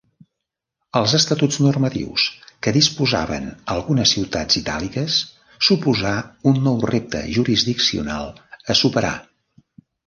Els estatuts normatius que disposaven algunes ciutats itàliques suposà un nou repte jurisdiccional a superar.